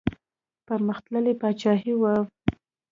پرمختللې پاچاهي وه.